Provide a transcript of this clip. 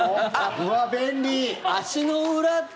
うわ、便利！